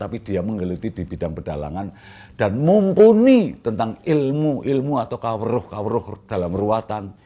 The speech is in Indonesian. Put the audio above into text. tapi dia menggeliti di bidang pedalangan dan mumpuni tentang ilmu ilmu atau kaweruh kawroh dalam ruatan